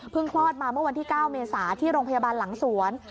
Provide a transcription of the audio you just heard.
คลอดมาเมื่อวันที่๙เมษาที่โรงพยาบาลหลังสวน